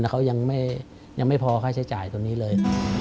แล้วเขายังไม่พอค่าใช้จ่ายตรงนี้เลย